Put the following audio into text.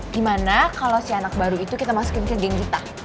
gimana kalau si anak baru itu kita masukin ke geng kita